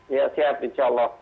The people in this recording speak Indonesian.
ya siap insya allah